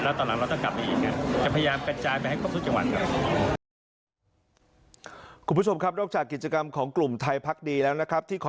แล้วตอนหลังเราต้องกลับไปอีกเนี่ย